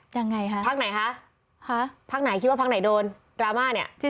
ยังไงคะพักไหนคะพักไหนคิดว่าพักไหนโดนดราม่าเนี่ยชื่อ